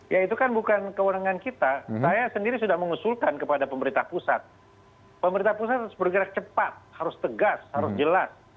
ya itu kan bukan kewenangan kita saya sendiri sudah mengusulkan kepada pemerintah pusat pemerintah pusat harus bergerak cepat harus tegas harus jelas